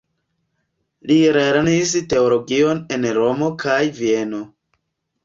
Li lernis teologion en Romo kaj Vieno.